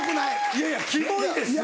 いやいやキモいですよ。